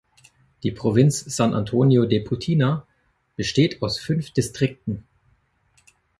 Die Provinz San Antonio de Putina besteht aus fünf Distrikten.